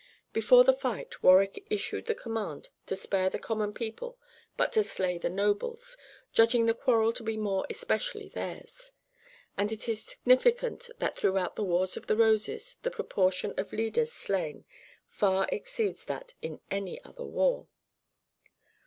Before the fight Warwick issued the command to spare the common people but to slay the nobles, judging the quarrel to be more especially theirs; and it is significant that throughout the Wars of the Roses the proportion of leaders slain far exceeds that in any other war.